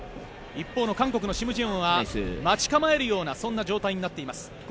一方の韓国のシム・ジェヨンは待ち構えるような状態になっています。